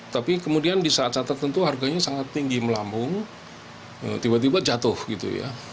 tapi kemudian di saat saat tertentu harganya sangat tinggi melambung tiba tiba jatuh gitu ya